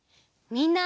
みんな！